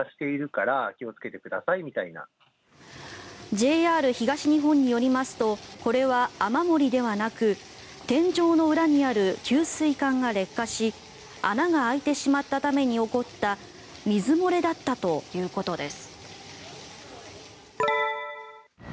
ＪＲ東日本によりますとこれは、雨漏りではなく天井の裏にある給水管が劣化し穴が開いてしまったために起こった水漏れだったということです。